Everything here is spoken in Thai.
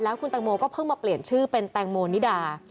คุณแตงโมก็เพิ่งมาเปลี่ยนชื่อเป็นแตงโมนิดา